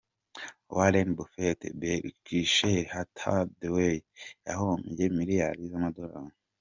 Warren Buffett -Berkshire Hathaway: yahombye miliyari z’amadolari.